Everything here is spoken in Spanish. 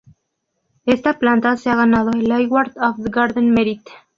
Esta planta se ha ganado el Award of Garden Merit.